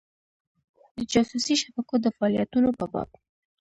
د جاسوسي شبکو د فعالیتونو په باب.